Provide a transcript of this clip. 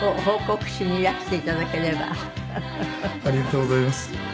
ありがとうございます。